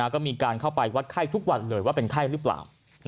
ก็มีการเข้าไปวัดไข้ทุกวันเลยว่าเป็นไข้หรือเปล่า